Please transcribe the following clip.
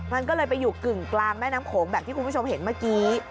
มันก็เลยไปอยู่กึ่งกลางแม่น้ำโขงแบบที่คุณผู้ชมเห็นเมื่อกี้